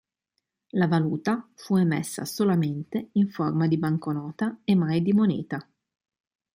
La valuta fu emessa solamente in forma di banconota e mai di moneta.